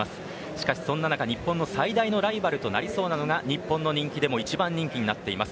しかし、そんな中日本の最大のライバルとなりそうなのが日本の人気でも一番人気になっている